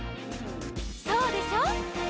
「そうでしょ？」